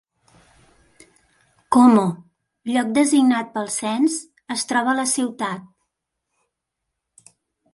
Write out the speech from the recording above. Como, lloc designat pel cens, es troba a la ciutat.